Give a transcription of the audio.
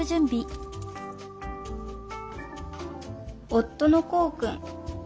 夫のこーくん。